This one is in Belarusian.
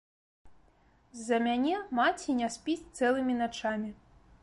З-за мяне маці не спіць цэлымі начамі.